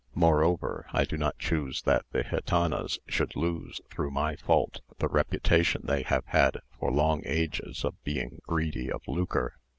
Moreover, I do not choose that the gitanas should lose, through my fault, the reputation they have had for long ages of being greedy of lucre.